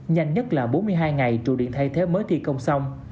nhanh nhất là bốn mươi hai ngày trụ điện thay thế mới thi công xong